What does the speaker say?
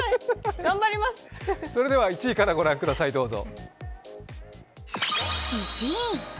それでは１位からご覧ください、どうぞ。